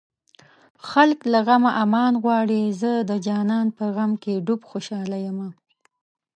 خلک له غمه امان غواړي زه د جانان په غم کې ډوب خوشاله يمه